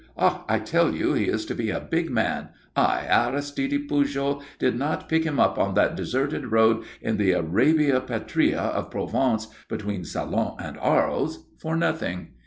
Ah, I tell you, he is to be a big man. I, Aristide Pujol, did not pick him up on that deserted road, in the Arabia Petrea of Provence, between Salon and Arles, for nothing.